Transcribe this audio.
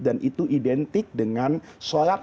dan itu identik dengan sholat